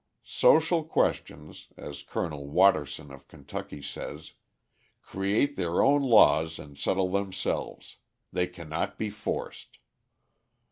"Social questions," as Colonel Watterson of Kentucky says, "create their own laws and settle themselves. They cannot be forced."